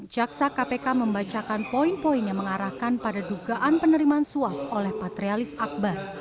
jaksa kpk membacakan poin poin yang mengarahkan pada dugaan penerimaan suap oleh patrialis akbar